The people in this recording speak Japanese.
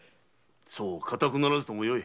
そう固くならずともよい。